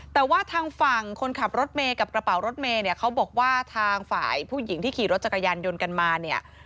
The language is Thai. แต่ว่าทางฝั่งคนขับรถเมย์กับกระเป๋ารถเมย์เนี่ยเขาบอกว่าทางฝ่ายผู้หญิงที่ขี่รถจักรยานยนต์กันมาเนี่ย